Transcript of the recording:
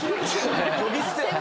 呼び捨て。